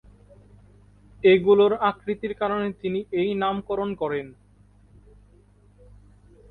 এগুলোর আকৃতির কারণে তিনি এই নামকরণ করেন।